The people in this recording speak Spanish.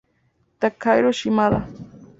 Takahiro Shimada